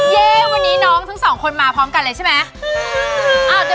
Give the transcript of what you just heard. เย่วันนี้น้องทั้งสองคนมาพร้อมกันเลยใช่ไหม